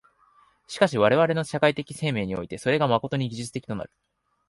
しかし我々の社会的生命において、それが真に技術的となる。